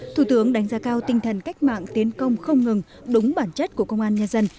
thủ tướng đánh giá cao tinh thần cách mạng tiến công không ngừng đúng bản chất của công an nhân dân